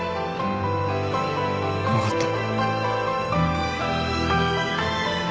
分かった。